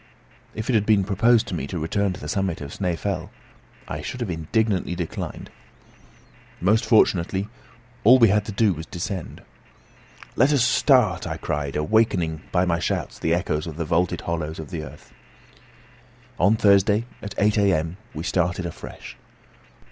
If it had been proposed to me to return to the summit of Snæfell, I should have indignantly declined. Most fortunately, all we had to do was to descend. "Let us start!" I cried, awakening by my shouts the echoes of the vaulted hollows of the earth. On Thursday, at 8 a.m., we started afresh.